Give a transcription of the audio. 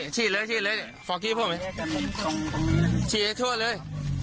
ฉีดทั่วเลย